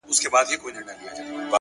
بریا د عادتونو پایله ده,